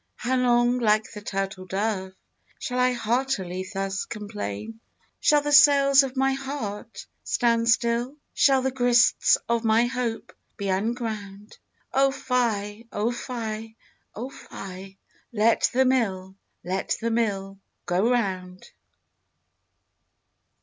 How long like the turtle dove, Shall I heartily thus complain? Shall the sails of my heart stand still? Shall the grists of my hope be unground? Oh fie, oh fie, oh fie, Let the mill, let the mill go round.